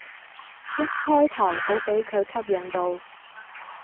一開頭好俾佢吸引到